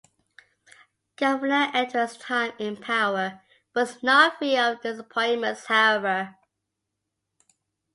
Governor Edwards time in power was not free of disappointments however.